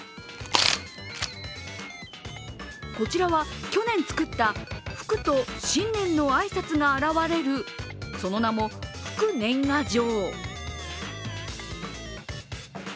こちらは去年作った吹くと新年の挨拶が現れるその名も、ふく年賀状。